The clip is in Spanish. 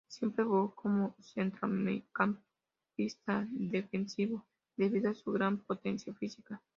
Siempre jugó como centrocampista defensivo debido a su gran potencia física.